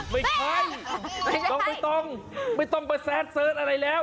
ไม่เคยไม่ต้องไปแซดเซิร์ฟอะไรแล้ว